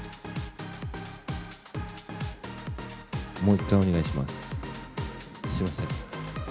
もう１回お願いします。